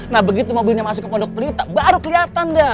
nah begitu mobilnya masuk ke pondok pelita baru kelihatan deh